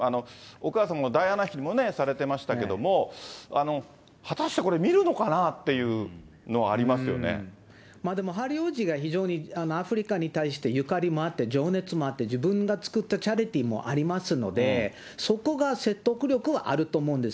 お母様のダイアナ妃もされてましたけども、果たしてこれ、見るのでも、ハリー王子が非常にアフリカに対してゆかりもあって情熱もあって、自分が作ったチャリティーもありますので、そこが説得力はあると思うんです。